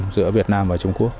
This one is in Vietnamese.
giữa việt nam và trung quốc